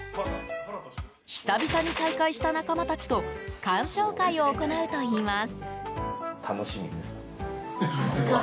久々に再会した仲間たちと鑑賞会を行うといいます。